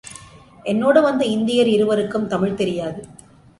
என்னோடு வந்த இந்தியர் இருவருக்கும் தமிழ் தெரியாது.